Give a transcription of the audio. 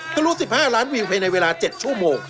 กระลุ้ง๑๕ล้านวิวไปในเวลา๗ชั่วโมง